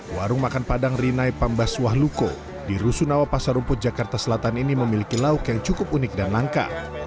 warung makan padang rinai pambas wahluko di rusunawa pasar rumput jakarta selatan ini memiliki lauk yang cukup unik dan langka